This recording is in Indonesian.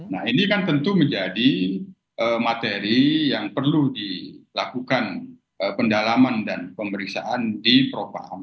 nah ini kan tentu menjadi materi yang perlu dilakukan pendalaman dan pemeriksaan di propaham